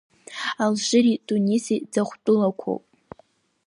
Алжири Туниси ӡахәа тәылақәоуп.